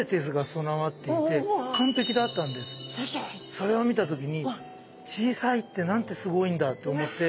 それを見た時に小さいってなんてすごいんだと思って。